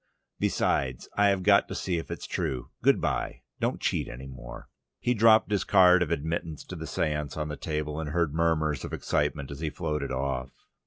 Besides, I have got to see if it's true. Good bye: don't cheat any more. He dropped his card of admittance to the seance on the table and heard murmurs of excitement as he floated off.